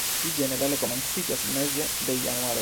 Ĝi ĝenerale komenciĝas meze de januaro.